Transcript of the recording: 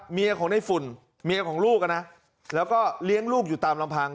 เมียของในฝุ่นเมียของลูกนะแล้วก็เลี้ยงลูกอยู่ตามลำพัง